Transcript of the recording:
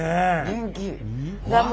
元気。